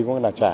cũng như là trả